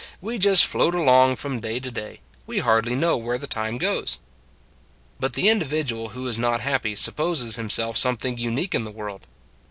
" We just float along from day to day; we hardly know where the time goes." But the individual who is not happy sup poses himself something unique in the world.